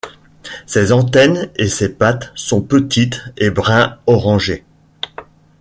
Ses antennes et ses pattes sont petites et brun orangé.